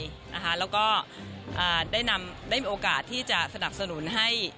แล้วก็ได้มีโอกาสที่จะสนับสนุนให้